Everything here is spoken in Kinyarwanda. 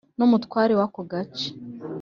n’umutware wako gace